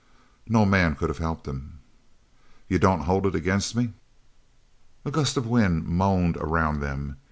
"No man could have helped him." "You don't hold it against me?" A gust of wind moaned around them.